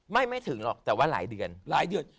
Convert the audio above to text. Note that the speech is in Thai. ไม่ไม่ถึงหรอกแต่ว่าหลายเดือน